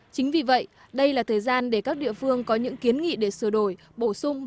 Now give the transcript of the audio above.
chính vì vậy đây là thời gian để các địa phương có những kiến nghị để sửa đổi bổ sung